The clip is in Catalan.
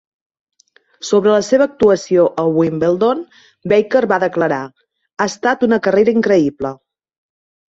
Sobre la seva actuació a Wimbledon, Baker va declarar: "Ha estat una carrera increïble".